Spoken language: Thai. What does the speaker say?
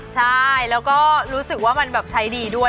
ใช่และรู้สึกว่ามันใช้ดีด้วย